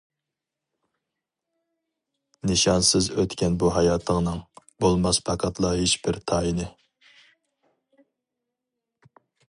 نىشانسىز ئۆتكەن بۇ ھاياتىڭنىڭ، بولماس پەقەتلا ھېچبىر تايىنى.